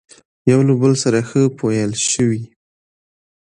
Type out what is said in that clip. يوه له بل سره ښه پويل شوي،